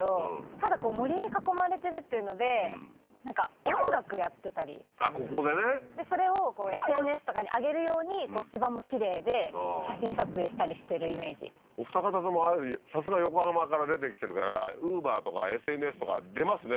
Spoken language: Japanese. ただ森に囲まれてるっていうのでなんか音楽やってたりここでねそれをＳＮＳとかに上げる用に芝もきれいで写真撮影したりしてるイメージお二方ともさすが横浜から出てきてるからＵｂｅｒとかＳＮＳとか出ますね